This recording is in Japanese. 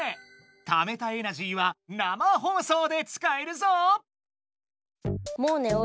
ためたエナジーは生放送でつかえるぞ！